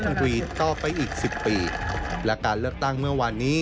แต่มันไม่มีความเชื่อมกลัว